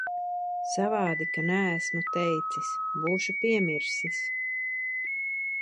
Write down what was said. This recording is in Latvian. Savādi, ka neesmu teicis. Būšu piemirsis.